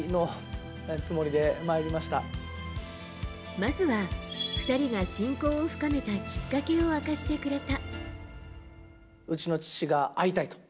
まずは２人が親交を深めたきっかけを明かしてくれた。